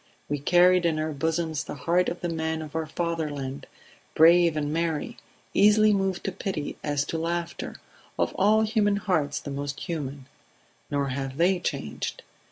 We carried in our bosoms the hearts of the men of our fatherland, brave and merry, easily moved to pity as to laughter, of all human hearts the most human; nor have they changed.